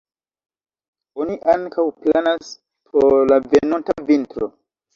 Oni ankaŭ planas por la venonta vintro.